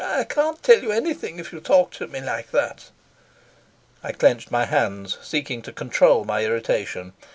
I can't tell you anything if you talk to me like that." I clenched my hands, seeking to control my irritation.